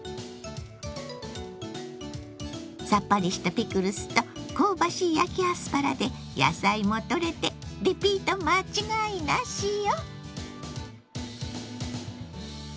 さっぱりしたピクルスと香ばしい焼きアスパラで野菜もとれてリピート間違いなしよ！